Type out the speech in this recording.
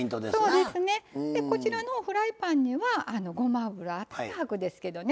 こちらのフライパンにはごま油太白ですけどね